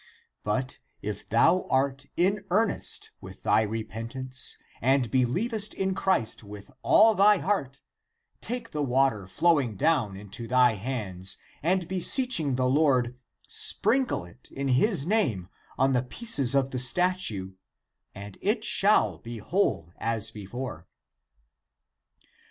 But if thou art in earnest with thy repentance and 78 THE APOCRYPHAL ACTS believest in Christ with all thy heart, take the water flowing down into thy hands and beseeching the Lord, sprinkle it in his name on the pieces of the statue, and it shall be whole as before."